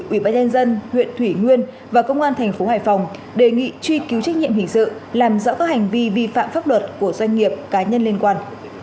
ubnd huyện thủy nguyên và công an thành phố hải phòng đề nghị truy cứu trách nhiệm hình sự làm rõ các hành vi vi phạm pháp luật của doanh nghiệp cá nhân liên quan